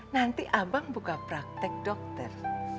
nanti abang buka praktek dokter